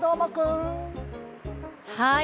はい。